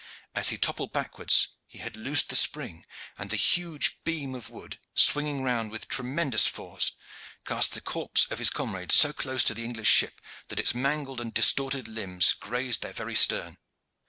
As he toppled backwards he had loosed the spring, and the huge beam of wood, swinging round with tremendous force, cast the corpse of his comrade so close to the English ship that its mangled and distorted limbs grazed their very stern.